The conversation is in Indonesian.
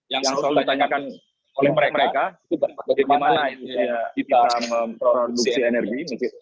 yang selalu ditanyakan oleh mereka itu bagaimana kita memproduksi energi